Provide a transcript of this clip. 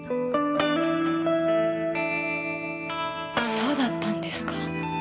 そうだったんですか。